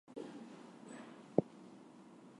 Afterwards he opened his own sculpting studio.